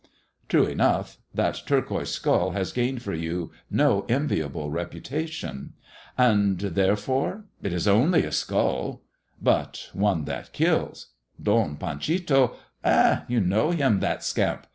" True enough : that turquoise skull has gained for you no enviable reputation." 'And wherefore ? It is only a skull." " But one that kills. Don Panchito "'* £h I you know him, that scamp